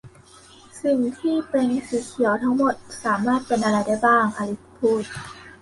'สิ่งที่เป็นสีเขียวทั้งหมดสามารถเป็นอะไรได้บ้าง ?' อลิซพูด